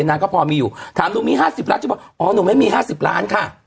นางก็พอมีอยู่ถามหนูมี๕๐ล้านจะบอกอ๋อหนูไม่มี๕๐ล้านค่ะ